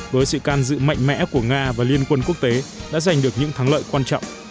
với sự can dự mạnh mẽ của nga và liên quân quốc tế đã giành được những thắng lợi quan trọng